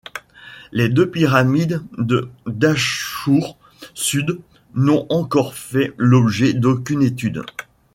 Les deux pyramides de Dahchour sud n'ont encore fait l'objet d'aucune étude.